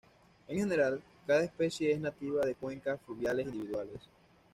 En general, cada especie es nativa de cuencas fluviales individuales.